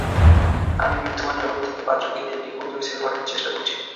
আমি বিদ্যমান জনবল থেকে পাঁচজনকে দিয়ে একটি ক্ষুদ্র সেল গঠনের চেষ্টা করছি।